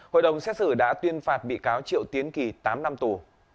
hội đồng xét xử đã tuyên phạt bị cáo triệu tiến kỳ tám năm tù